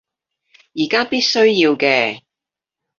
而家必須要嘅